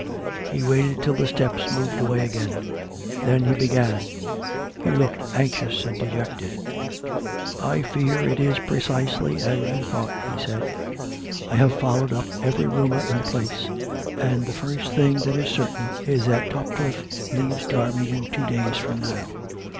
He waited till the steps moved away again. Then he began. He looked anxious and dejected. " I fear it is precisely as you thought," he said. " I have followed up every rumour in the place. And the first thing that is certain is that Topcliffe leaves Derby in two days from now.